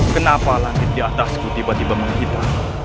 kenapa langit di atasku tiba tiba menghitung